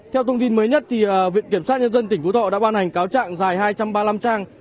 theo thông tin mới nhất viện kiểm sát nhân dân tỉnh phú thọ đã ban hành cáo trạng dài hai trăm ba mươi năm trang